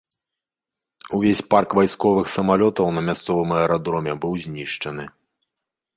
Увесь парк вайсковых самалётаў на мясцовым аэрадроме быў знішчаны.